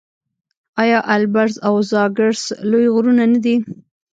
آیا البرز او زاگرس لوی غرونه نه دي؟